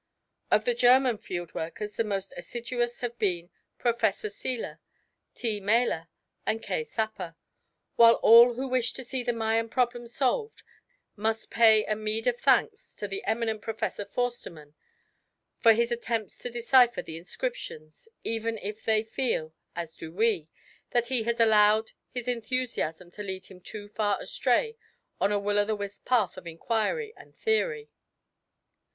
Of the German field workers the most assiduous have been Professor Seler, T. Maler, and K. Sapper; while all who wish to see the Mayan problem solved must pay a meed of thanks to the eminent Professor Forstemann for his attempts to decipher the inscriptions, even if they feel, as do we, that he has allowed his enthusiasm to lead him too far astray on a will o' the wisp path of inquiry and theory.